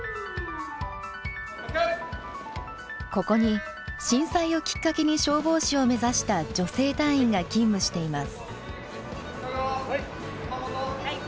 ここに震災をきっかけに消防士を目指した女性隊員が勤務しています。